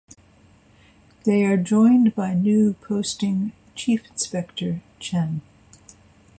They are joined by new posting Chief Inspector Chen.